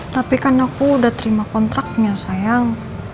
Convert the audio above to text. tapi kan aku udah terima kontraknya sayang